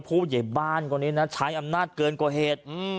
ผู้ใหญ่บ้านคนนี้นะใช้อำนาจเกินกว่าเหตุ